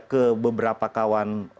ke beberapa kawan